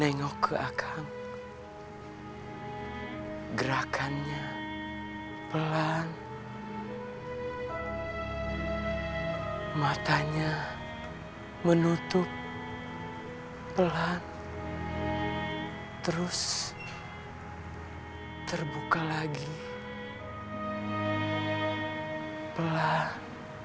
papi nengok ke akang gerakannya pelan matanya menutup pelan terus terbuka lagi pelan